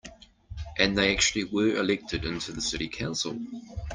And they actually were elected into the city council.